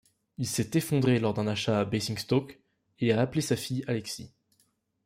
Il s'est effondré lors d'un achat à Basingstoke, et a appelé sa fille Alexis.